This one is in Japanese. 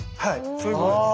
そういうことです。